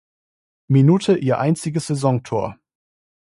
Minute ihr einziges Saisontor.